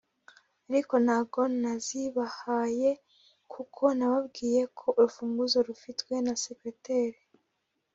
ariko ntago nazibahaye kuko nababwiye ko urufunguzo rufitwe na secretaire